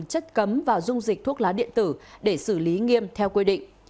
chất cấm và dung dịch thuốc lá điện tử để xử lý nghiêm theo quy định